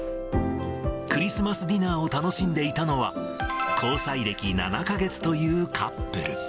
クリスマスディナーを楽しんでいたのは、交際歴７か月というカップル。